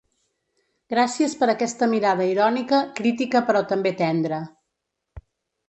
Gràcies per aquesta mirada irònica, critica però també tendra.